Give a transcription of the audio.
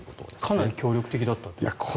かなり協力的だったということですね。